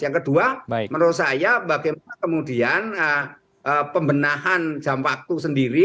yang kedua menurut saya bagaimana kemudian pembenahan jam waktu sendiri